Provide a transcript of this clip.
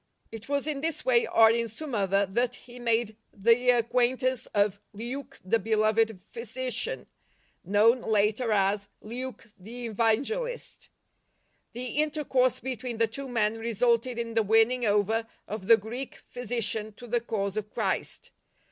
it was in this way or in some other that he made the acquaintance of " Luke the beloved physician," known, later as " Luke the Evange list." The intercourse between the two men resulted in the winning over of the Greek physician to the cause of Christ.